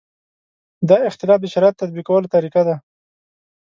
دا اختلاف د شریعت تطبیقولو طریقه ده.